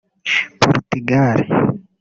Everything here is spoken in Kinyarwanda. Portugal